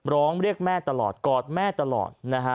ร้องเรียกแม่ตลอดกอดแม่ตลอด